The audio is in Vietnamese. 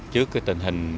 trước tình hình